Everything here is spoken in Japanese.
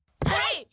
はい！